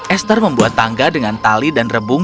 esther membuat tangga dengan tali dan rebung